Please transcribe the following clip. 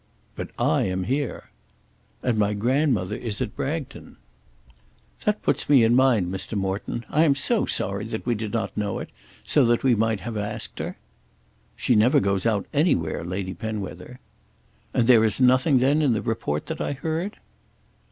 "But I am here." "And my grandmother is at Bragton." "That puts me in mind, Mr. Morton. I am so sorry that we did not know it, so that we might have asked her." "She never goes out anywhere, Lady Penwether." "And there is nothing then in the report that I heard?"